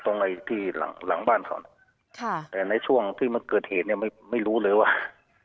ไอ้ที่หลังหลังบ้านเขาค่ะแต่ในช่วงที่มันเกิดเหตุเนี่ยไม่รู้เลยว่า